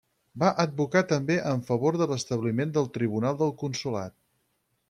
Va advocar també en favor de l'establiment del Tribunal del Consolat.